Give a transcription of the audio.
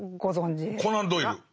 コナン・ドイル。